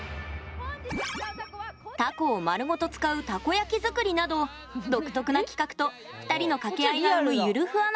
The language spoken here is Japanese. たこを丸ごと使うたこ焼き作りなど独特な企画と２人の掛け合いが生むゆるふわ